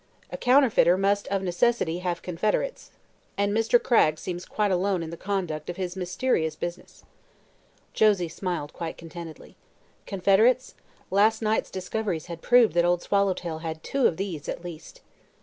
"A counterfeiter must of necessity have confederates, and Mr. Cragg seems quite alone in the conduct of his mysterious business." Josie smiled quite contentedly. Confederates? Last night's discoveries had proved that Old Swallowtail had two of these, at least.